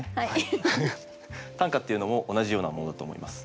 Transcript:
短歌っていうのも同じようなものだと思います。